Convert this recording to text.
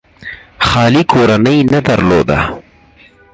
خالي کورنۍ نه درلوده.